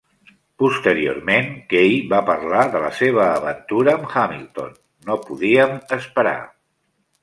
Posteriorment, Kaye va parlar de la seva aventura amb Hamilton: No podíem esperar.